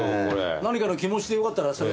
何かの気持ちでよかったらそれ。